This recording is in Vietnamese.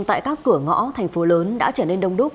tại các cửa ngõ thành phố lớn đã trở nên đông đúc